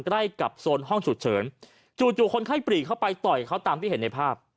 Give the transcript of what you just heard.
ใกล้กับโซนห้องฉุกเฉินจู่คนไข้ปรีเข้าไปต่อยเขาตามที่เห็นในภาพ